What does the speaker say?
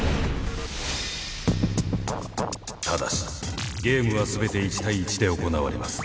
ただしゲームは全て１対１で行われます。